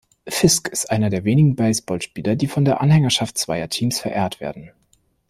Fisk ist einer der wenigen Baseballspieler, die von der Anhängerschaft zweier Teams verehrt werden.